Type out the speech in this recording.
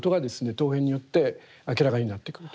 陶片によって明らかになってくると。